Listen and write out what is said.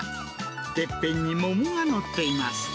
てっぺんに桃が載っています。